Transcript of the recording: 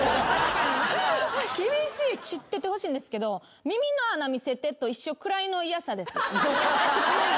知っててほしいんですけど耳の穴見せてと一緒くらいの嫌さです。